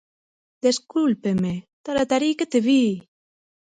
Descúlpeme, ¡taratarí que te vi!